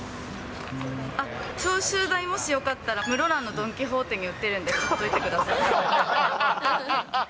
あっ、消臭剤、もしよかったら室蘭のドン・キホーテに売ってるんで、買っておいてください。